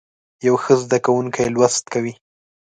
یو ښه زده کوونکی لوست کوي.